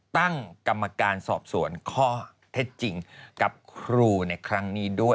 ตั้งกรรมการสอบสวนข้อเท็จจริงกับครูในครั้งนี้ด้วย